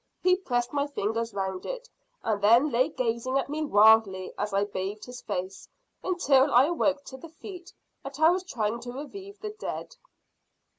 He pressed my fingers round it, and then lay gazing at me wildly as I bathed his face, till I awoke to the feet that I was trying to revive the dead."